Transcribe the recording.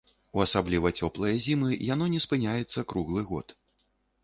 У асабліва цёплыя зімы яно не спыняецца круглы год.